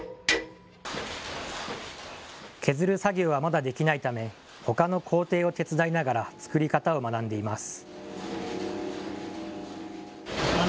削る作業はまだできないためほかの工程を手伝いながら作り方を学んでいます。